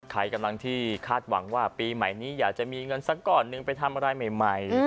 ใครกำลังที่คาดหวังว่าปีใหม่นี้อยากจะมีเงินสักก้อนหนึ่งไปทำอะไรใหม่